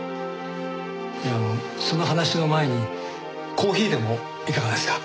いやあのその話の前にコーヒーでもいかがですか？